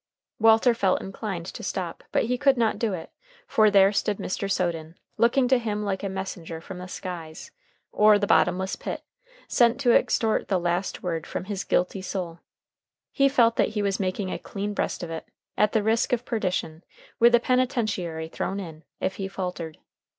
Walter felt inclined to stop, but he could not do it, for there stood Mr. Soden, looking to him like a messenger from the skies, or the bottomless pit, sent to extort the last word from his guilty soul He felt that he was making a clean breast of it at the risk of perdition, with the penitentiary thrown in, if he faltered.